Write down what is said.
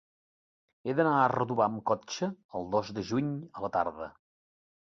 He d'anar a Redovà amb cotxe el dos de juny a la tarda.